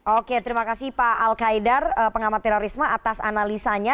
oke terima kasih pak al qaidar pengamat terorisme atas analisanya